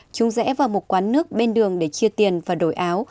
chúng rẽ vào một quán nước bên đường để chia tiền và đổi áo